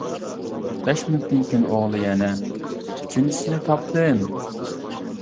بەش مىنۇتتىن كېيىن ئوغلى يەنە:-ئۈچىنچىسىنى تاپتىم!